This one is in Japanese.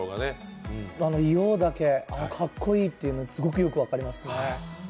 硫黄岳、かっこいいってすごくよく分かりますね。